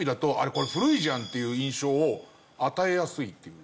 これ古いじゃんっていう印象を与えやすい。